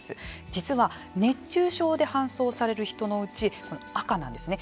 実は熱中症で搬送される人のうち赤なんですね